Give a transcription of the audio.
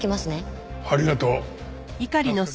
ありがとう。